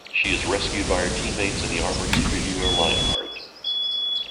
She is rescued by her teammates and the armored superhero Lionheart.